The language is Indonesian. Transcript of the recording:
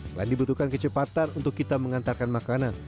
selain dibutuhkan kecepatan untuk kita mengantarkan makanan